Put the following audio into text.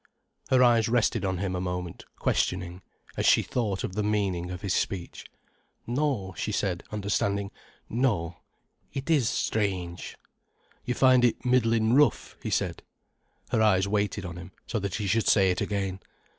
Her eyes rested on him for a moment, questioning, as she thought of the meaning of his speech. "No," she said, understanding. "No—it is strange." "You find it middlin' rough?" he said. Her eyes waited on him, so that he should say it again.